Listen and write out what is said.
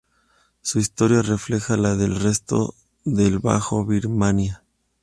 Su historia refleja la del resto del bajo Birmania.